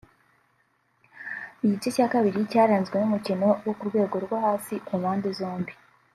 Igice cya kabiri cyaranzwe n’umukino wo ku rwego rwo hasi ku mpande zombi